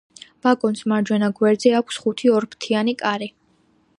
ვაგონს მარჯვენა გვერდზე აქვს ხუთი ორფრთიანი კარი.